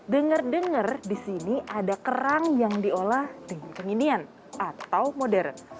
dengar dengar di sini ada kerang yang diolah dengan keminian atau modern